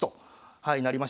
はい。